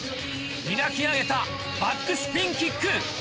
磨き上げたバックスピンキック。